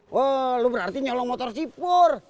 wah lu berarti nyalong motor sipur